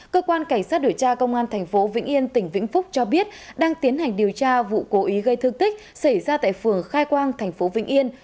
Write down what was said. cơ quan cảnh sát điều tra công an tp vĩnh yên tỉnh vĩnh phúc cho biết đang tiến hành điều tra vụ cố ý gây thương tích xảy ra tại phường khai quang thành phố vĩnh yên